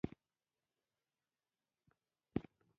لکه تر دویمې نړیوالې جګړې وروسته ختیځې اسیا هېوادونه.